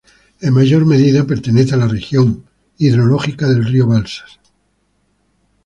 En mayor medida, pertenece a la región hidrológica del río Balsas.